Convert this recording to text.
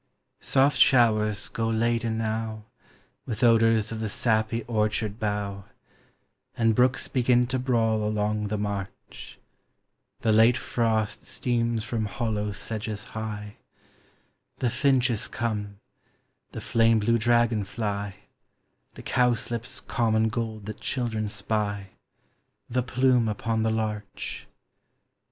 Soft showers go laden now With odors of Hie sappy orchard bough, And brooks begin to brawl along Hie march; The late frosl steams from hollow sedges high; The finch is come, the flame blue dragon fly, The cowslip's common gold thai children Bpy, The plume upon Hie larch.